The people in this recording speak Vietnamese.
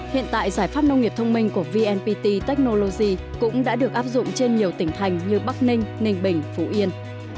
hiện tại giải pháp nông nghiệp thông minh của vnpt technology cũng đã được áp dụng trên nhiều tỉnh thành như bắc ninh ninh bình phú yên